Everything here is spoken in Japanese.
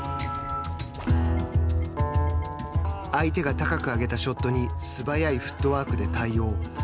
相手が高く上げたショットに素早いフットワークで対応。